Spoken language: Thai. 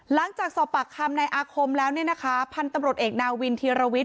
หลังจากสอบปากคำในอาคมแล้วเนี่ยนะคะพันธุ์ตำรวจเอกนาวินธีรวิทย